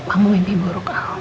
aku mimpi buruk